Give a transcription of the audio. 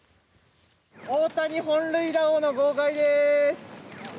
大谷、本塁打王の号外です。